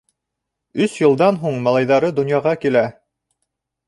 Өс йылдан һуң малайҙары донъяға килә.